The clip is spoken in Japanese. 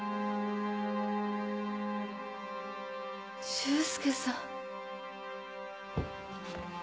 修介さん